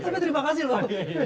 tapi terima kasih loh